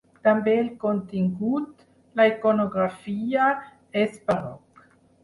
També el contingut, la iconografia, és barroc.